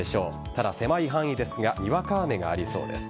ただ、狭い範囲ですがにわか雨がありそうです。